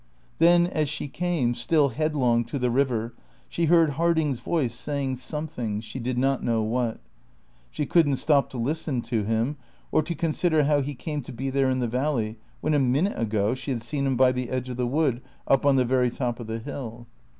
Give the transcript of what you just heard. Then as she came, still headlong, to the river, she heard Harding's voice saying something, she did not know what. She couldn't stop to listen to him, or to consider how he came to be there in the valley, when a minute ago she had seen him by the edge of the wood, up on the very top of the hill.